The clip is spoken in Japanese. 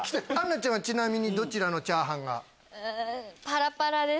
杏奈ちゃんはちなみにどちらのチャーハンが？